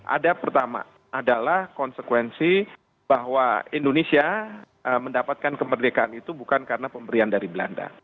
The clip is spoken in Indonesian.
ada pertama adalah konsekuensi bahwa indonesia mendapatkan kemerdekaan itu bukan karena pemberian dari belanda